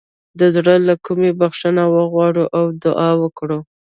د زړه له کومې بخښنه وغواړو او دعا وکړو.